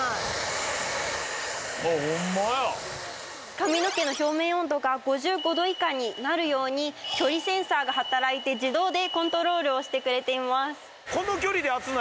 髪の毛の表面温度が５５度以下になるように距離センサーが働いて自動でコントロールをしてくれています。